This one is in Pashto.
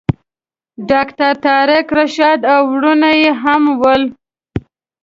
ډاکټر طارق رشاد او وروڼه یې هم ول.